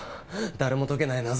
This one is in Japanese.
誰も解けない謎。